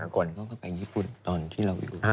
เราก็ไปญี่ปุ่นตอนทีเราอยู่